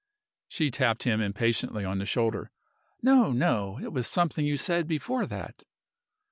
She tapped him impatiently on the shoulder. "No! no! It was something you said before that."